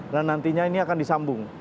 dan nantinya ini akan disambung